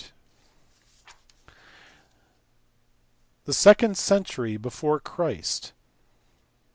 85 >C The second century before Christ.